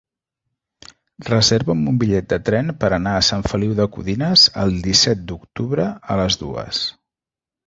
Reserva'm un bitllet de tren per anar a Sant Feliu de Codines el disset d'octubre a les dues.